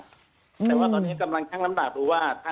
แต่ว่าตอนนี้กำลังช่างน้ำหนักอยู่ว่า